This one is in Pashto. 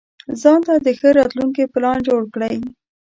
ځانته د ښه راتلونکي پلان جوړ کړئ.